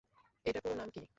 এটার পুরো নাম কী?